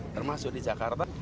termasuk di jakarta